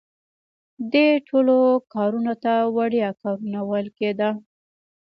دې ټولو کارونو ته وړیا کارونه ویل کیده.